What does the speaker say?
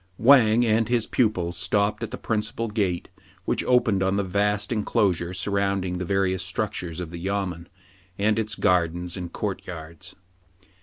Wang and his pupil stopped at the principal gate, which opened on the vast enclosure surround ing the various structures of the yamen, and its gardens and court yards.